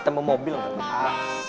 tak mau pindah lagi